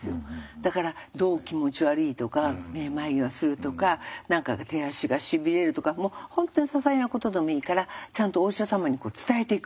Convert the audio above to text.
だからどう気持ち悪いとかめまいがするとか何かが手足がしびれるとか本当にささいなことでもいいからちゃんとお医者様に伝えていく。